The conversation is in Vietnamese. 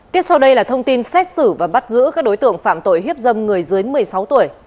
tiếp sau đây là thông tin xét xử và bắt giữ các đối tượng phạm tội hiếp dâm người dưới một mươi sáu tuổi